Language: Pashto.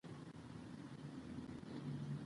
څوک وایي چې ملالۍ نورزۍ وه؟